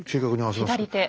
左手。